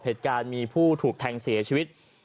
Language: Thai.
เหตุการณ์มีผู้ถูกแทงเสียชีวิต